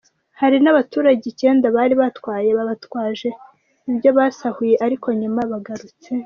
Hari n’abaturage icyenda bari batwaye babatwaje ibyo basahuye ariko nyuma bagarutse.